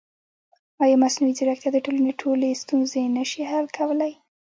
ایا مصنوعي ځیرکتیا د ټولنې ټولې ستونزې نه شي حل کولی؟